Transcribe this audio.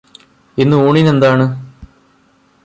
ഇന്ന് ഊണിനെന്താണ്?